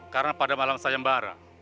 karena pada malam saya membara